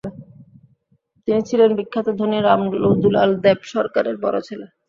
তিনি ছিলেন বিখ্যাত ধনী রামদুলাল দেব সরকারের বড় ছেলে।